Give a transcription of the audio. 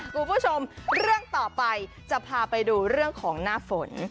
คุณผู้ชมเรื่องต่อไปจะพาไปดูเรื่องของหน้าฝน